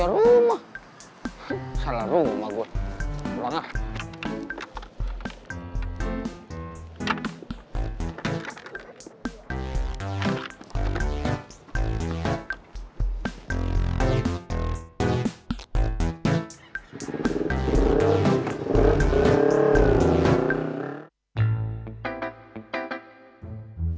itu bakal disengit panggilan integrity